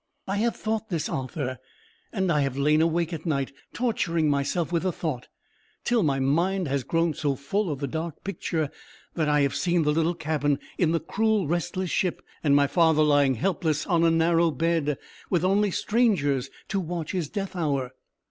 I have thought this, Arthur, and I have lain awake at night, torturing myself with the thought: till my mind has grown so full of the dark picture, that I have seen the little cabin in the cruel, restless ship, and my father lying helpless on a narrow bed, with only strangers to watch his death hour.